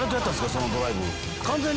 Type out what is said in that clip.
そのドライブ。